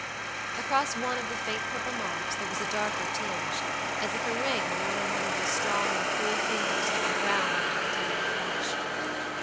Across one of the faint purple marks there was a darker tinge, as if a ring worn on one of those strong and cruel fingers had been ground into the tender flesh.